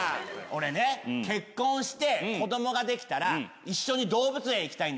俺ね結婚して子供ができたら一緒に動物園行きたいんだよね。